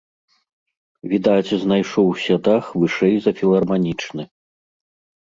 Відаць, знайшоўся дах вышэй за філарманічны.